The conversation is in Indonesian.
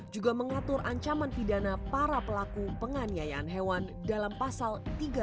juga mengatur ancaman pidana para pelaku penganiayaan hewan dalam pasal tiga ratus enam puluh